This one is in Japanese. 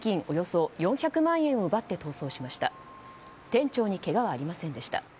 およそ４００万円を奪って逃走しました。